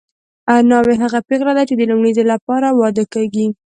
ناوې هغه پېغله ده چې د لومړي ځل لپاره واده کیږي